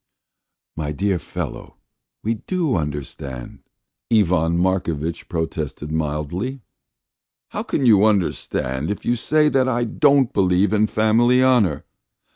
"My dear fellow, we do understand," Ivan Markovitch protested mildly. "How can you understand if you say that I don't believe in family honour?